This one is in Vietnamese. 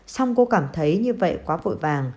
xong cô cảm thấy như vậy quá vội vàng